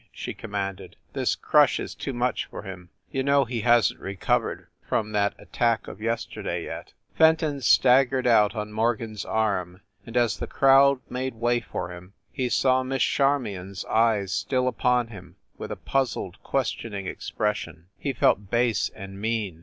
she commanded. "This crush is too much for him you know he hasn t recovered from that at tack of yesterday, yet." Fenton staggered out on Morgan s arm, and, as the crowd made way for him, he saw Miss Char mion s eyes still upon him, with a puzzled, question ing expression. He felt base and mean.